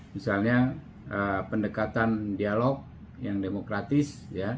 misalnya pendekatan dialog yang demokratis